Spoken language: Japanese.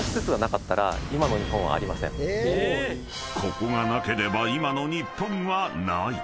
［ここがなければ今の日本はない］